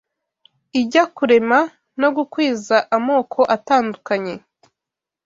ijya kurema no gukwiza amoko atandukanye